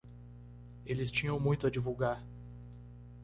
Eles tinham muito a divulgar.